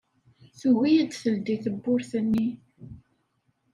Tugi ad teldey tewwurt-nni.